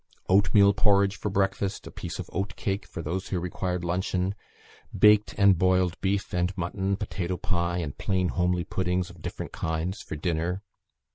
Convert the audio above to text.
Oatmeal porridge for breakfast; a piece of oat cake for those who required luncheon; baked and boiled beef, and mutton, potato pie, and plain homely puddings of different kinds for dinner.